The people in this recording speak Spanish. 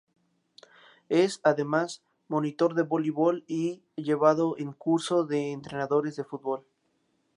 Es, además, monitor de vóleibol y ha llevado un Curso de Entrenadores de Fútbol.